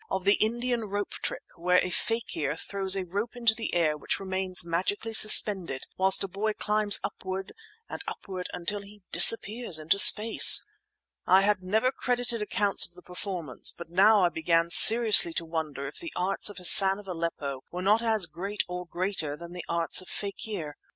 —of the Indian rope trick, where a fakir throws a rope into the air which remains magically suspended whilst a boy climbs upward and upward until he disappears into space. I had never credited accounts of the performance; but now I began seriously to wonder if the arts of Hassan of Aleppo were not as great or greater than the arts of fakir.